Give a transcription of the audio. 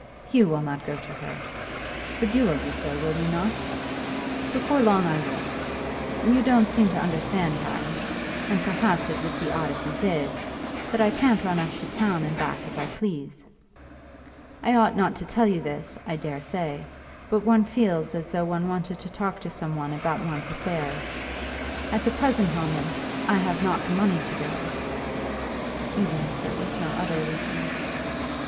"Hugh will not go to her." "But you will do so; will you not?" "Before long I will. You don't seem to understand, Harry, and, perhaps, it would be odd if you did, that I can't run up to town and back as I please. I ought not to tell you this, I dare say, but one feels as though one wanted to talk to some one about one's affairs. At the present moment, I have not the money to go, even if there were no other reason."